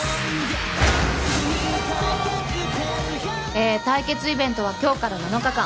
えぇ対決イベントは今日から７日間。